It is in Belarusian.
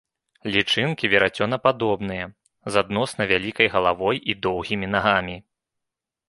Лічынкі верацёнападобныя, з адносна вялікай галавой і доўгімі нагамі.